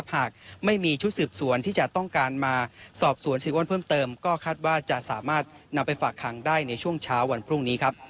หากไม่มีชุดสืบสวนที่จะต้องการมาสอบสวนเสียอ้วนเพิ่มเติมก็คาดว่าจะสามารถนำไปฝากคังได้ในช่วงเช้าวันพรุ่งนี้ครับ